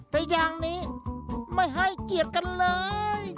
แต่อย่างนี้ไม่ให้เกียรติกันเลย